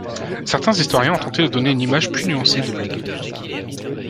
Certains historiens ont tenté de donner une image plus nuancée de Bligh.